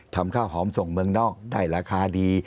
ทำข้าวหอมส่งเมืองนอกได้ราคาดี